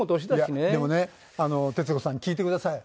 いやでもね徹子さん聞いてください。